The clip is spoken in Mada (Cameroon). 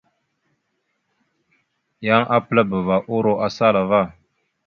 Yan apəlabava uro asala ava.